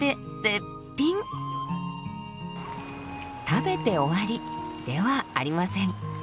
食べて終わりではありません。